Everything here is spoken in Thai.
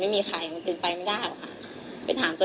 พี่ลองคิดดูสิที่พี่ไปลงกันที่ทุกคนพูด